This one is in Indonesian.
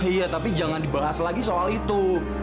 iya tapi jangan dibahas lagi soal itu